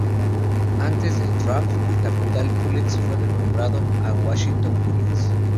Antes del draft, Capital Bullets fue renombrado a Washington Bullets.